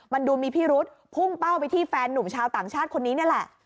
มันดูมีพิรุษพุ่งเป้าไปที่แฟนหนุ่มชาวต่างชาติคนนี้นี่แหละ